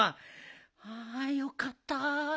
あよかった。